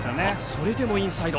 それでもインサイド。